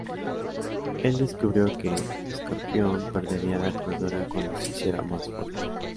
Él descubrió que Escorpión perdería la cordura cuando se hiciera más fuerte.